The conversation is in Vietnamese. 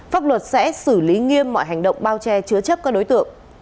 pháp luật sẽ xử lý nghiêm mọi hành động bao che chứa chấp các đối tượng